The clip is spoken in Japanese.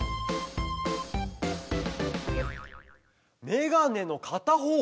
メガネのかたほう！